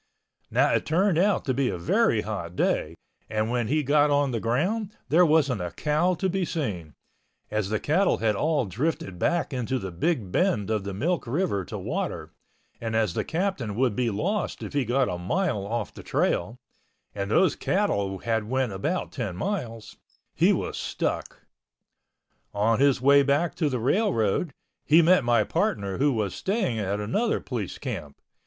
Now it turned out to be a very hot day and when he got on the ground, there wasn't a cow to be seen, as the cattle had all drifted back into the big bend of the Milk River to water and as the Captain would be lost if he got a mile off the trail (and those cattle had went about 10 miles) he was stuck. On his way back to the railroad, he met my partner who was staying at another police camp.